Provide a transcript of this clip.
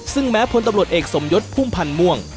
ซึ่งแม้พลตำรวจเอกสมยศพุ่มพันธ์ม่วง